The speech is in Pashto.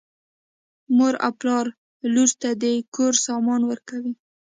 مور او پلار لور ته د کور سامان ورکوي.